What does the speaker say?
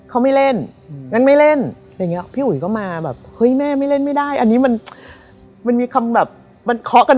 เออมันคืออะไรแบบนั้น